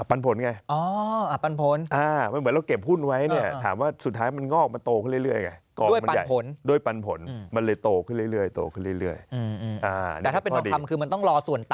อะไรงอกอะพี่แพทย์